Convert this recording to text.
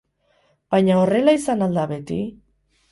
Baina horrela izan al da beti?